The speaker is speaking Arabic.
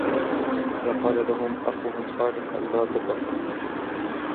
إذ قال لهم أخوهم صالح ألا تتقون